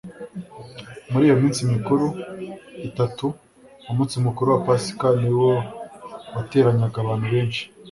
Muri iyo minsi mikuru itatu, umunsi mukuru wa Pasika ni wo wateranyaga abantu benshi.